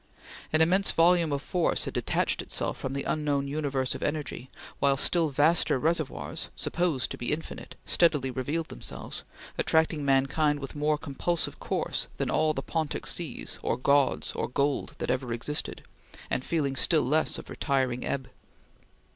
An immense volume of force had detached itself from the unknown universe of energy, while still vaster reservoirs, supposed to be infinite, steadily revealed themselves, attracting mankind with more compulsive course than all the Pontic Seas or Gods or Gold that ever existed, and feeling still less of retiring ebb.